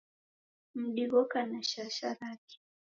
Mdi ghoka na shasha rake.